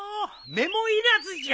メモいらずじゃ。